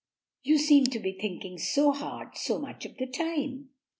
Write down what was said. You seem to be thinking so hard so much of the time."